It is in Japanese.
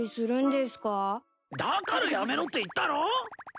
だからやめろって言ったろ！